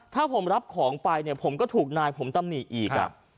ถ้าผมรับของไปเนี่ยผมก็ถูกนายผมตำหนิอีก